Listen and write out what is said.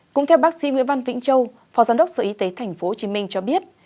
cũng theo bác sĩ nguyễn văn vĩnh châu phó giám đốc sở y tế tp hcm cho biết